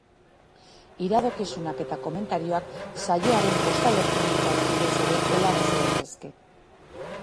Iradokizunak eta komentarioak saioaren posta elektronikoaren bidez ere helarazi daitezke.